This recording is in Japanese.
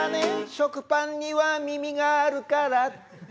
食パンには耳があるから」